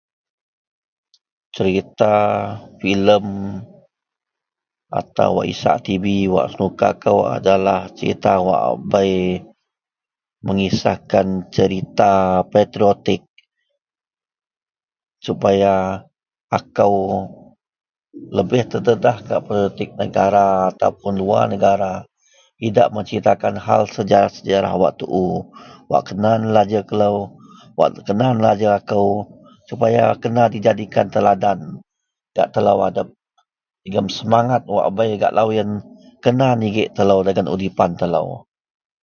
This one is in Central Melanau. Serita filem atau wak isak tibi serita wak senuka adalah serita bei mengisahkan serita patriotik supaya akou lebeh terdedah ke politik dagen negara atau luar negara idak meserita pasel sejarah wak tou wak kena najer kelo wak Kena nelajer kou wak semanget loyen kena nigek kelo dagen udipan telo.